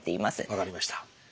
分かりました。